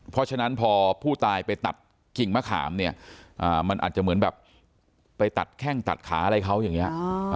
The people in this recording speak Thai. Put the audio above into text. เพราะฉะนั้นพอผู้ตายไปตัดกิ่งมะขามเนี่ยมันอาจจะเหมือนแบบไปตัดแข้งตัดขาอะไรเขาอย่างนี้